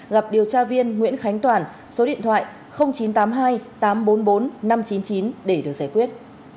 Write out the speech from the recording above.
gặp điều tra viên nguyễn khánh toàn số điện thoại chín trăm tám mươi hai tám trăm bốn mươi bốn năm trăm chín mươi chín để được giải quyết